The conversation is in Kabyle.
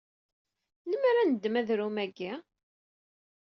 Limmer a d-neddem adrum agi?